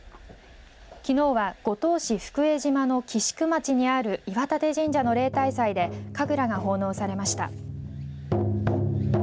きのうは五島市福江島の岐宿町にある巖立神社の例大祭で神楽が奉納されました。